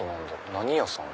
何屋さん？